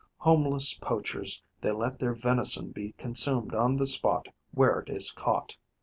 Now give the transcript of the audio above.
Homeless poachers, they let their venison be consumed on the spot where it is caught.